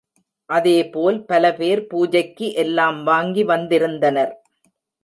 அதேபோல் பலபேர் பூஜைக்கு எல்லாம் வாங்கி வந்திருந்தனர்.